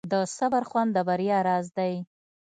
د صبر خوند د بریا راز دی.